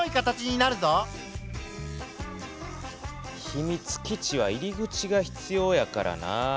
ひみつ基地は入り口が必要やからな。